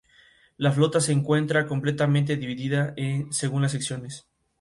La flota se encuentra completamente dividida según las secciones.